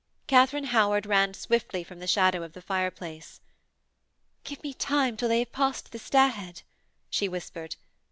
Katharine Howard ran swiftly from the shadow of the fireplace. 'Give me time, till they have passed the stairhead,' she whispered.